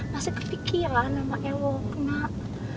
masih kepikiran sama ewok nak